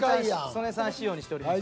曽根さん仕様にしております。